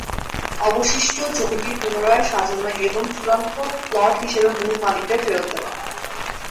অবশিষ্ট জমিটি পুনরায় সাজানো এবং চূড়ান্ত প্লট হিসাবে মূল মালিকদের ফেরত দেওয়া।